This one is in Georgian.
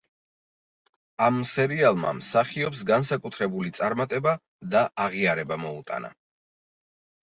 ამ სერიალმა მსახიობს განსაკუთრებული წარმატება და აღიარება მოუტანა.